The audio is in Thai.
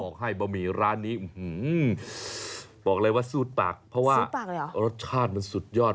ให้บะหมี่ร้านนี้บอกเลยว่าซูดปากเพราะว่ารสชาติมันสุดยอด